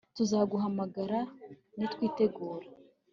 Tuzaguhamagara nitwitegura